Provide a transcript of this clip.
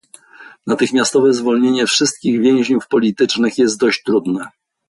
Natychmiastowe zwolnienie wszystkich więźniów politycznych jest dość trudne